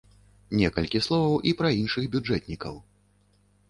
Некалькі словаў і пра іншых бюджэтнікаў.